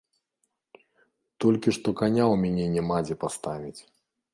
Толькі што каня ў мяне няма дзе паставіць.